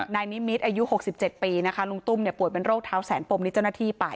นายนิมิตอายุ๖๗ปีนะคะลุงตุ้มป่วยเป็นโรคเท้าแสนปมนี่เจ้าหน้าที่ไป